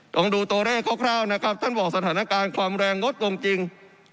ต้องดูตัวเลขคร่าวนะครับท่านบอกสถานการณ์ความแรงลดลงจริง